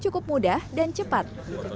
cukup mudah dan cepat